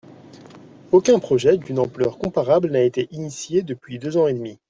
Aucun projet d’une ampleur comparable n’a été initié depuis deux ans et demi.